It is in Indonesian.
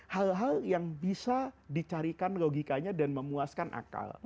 hal hal yang bisa dicarikan logikanya dan memuaskan akal